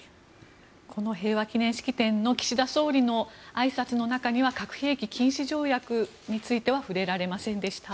この平和記念式典の岸田総理のあいさつの中には核兵器禁止条約については触れられませんでした。